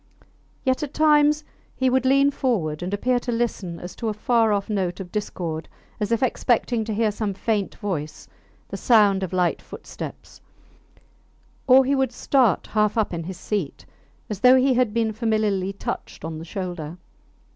Yet at times he would lean forward and appear to listen as for a far off note of discord, as if expecting to hear some faint voice, the sound of light footsteps; or he would start half up in his seat, as though he had been familiarly touched on the shoulder.